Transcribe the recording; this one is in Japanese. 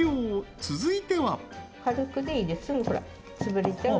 続いては。